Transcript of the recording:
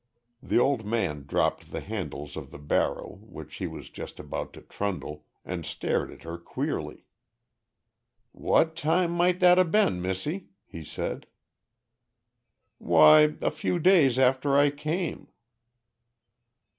The old man dropped the handles of the barrow which he was just about to trundle, and stared at her queerly. "What time might that ha' been, Missie?" he said. "Why, a few days after I came."